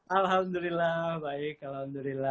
alhamdulillah baik alhamdulillah